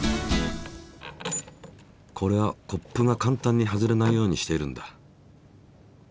これはコップが簡単に外れないようにしているんだ。